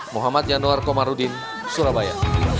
muhammad yanuar komarudin surabaya